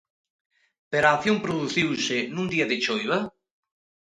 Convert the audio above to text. Pero a acción produciuse nun día de choiva?